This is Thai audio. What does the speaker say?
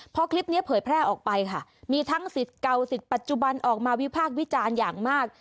พอคลิปนี้เผยแพร่ออกไปค่ะมีทั้งสิทธิ์เก่าสิทธิ์ปัจจุบันออกมาวิพากษ์วิจารณ์อย่างมาก